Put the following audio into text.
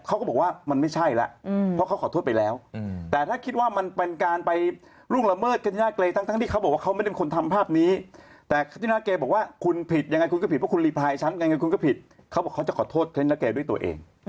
เขาบอกว่าเขาจะขอโทษคิดว่าคิดกับคิดว่าคิดด้วยตัวเอง